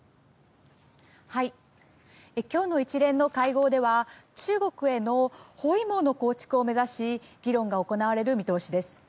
今日の一連の会合では中国への包囲網の構築を目指し議論が行われる見通しです。